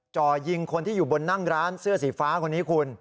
จ่อยิงคนที่อยู่บนนั่งร้านเสื้อสีฟ้าคนนี้คุณ